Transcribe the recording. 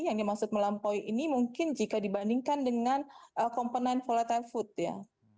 yang dimaksud melampaui ini mungkin jika dibandingkan dengan komponen volatile food ya